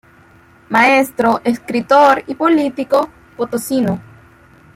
Maestro, escritor y político potosino.